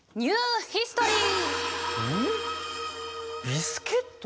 ビスケット？